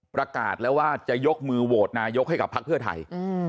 ประกาศแล้วว่าจะยกมือโหวตนายกให้กับพักเพื่อไทย